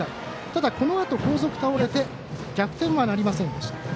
ただ、このあと後続が倒れて逆転はなりませんでした。